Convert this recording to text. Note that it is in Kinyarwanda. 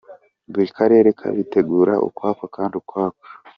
Buri Karere kabiteguraga ukwako, akandi ukwako.